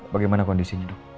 bagaimana kondisinya bu